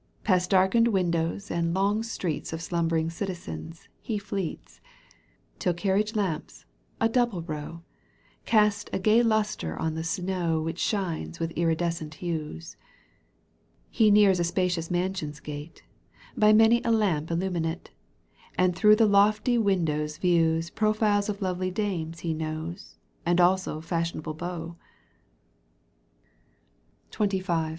Past darkened windows and long streets Of slumbering citizens he fleets. Tin carriage lamps, a double i4)w, Cast a gay lustre on the snow, Which shines with iridescent hues. He nears a spacious mansion's gate. By many a lamp illuminate. And through the lofty windows views Profiles of lovely dames he knows And also fashionable beaux. XXV.